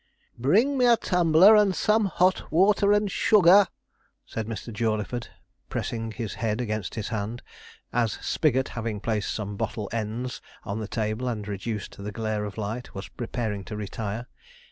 'Bring me a tumbler and some hot water and sugar,' said Mr. Jawleyford, pressing his head against his hand, as Spigot, having placed some bottle ends on the table, and reduced the glare of light, was preparing to retire.